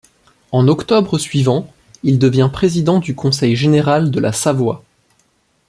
En octobre suivant, il devient président du Conseil général de la Savoie.